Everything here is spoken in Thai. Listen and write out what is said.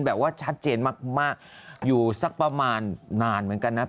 แบบว่าชัดเจนมากอยู่สักประมาณนานเหมือนกันนะ